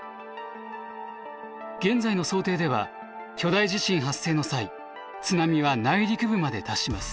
現在の想定では巨大地震発生の際津波は内陸部まで達します。